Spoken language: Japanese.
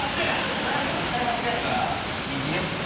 取りあえず２回間違えたから１ニョッキね。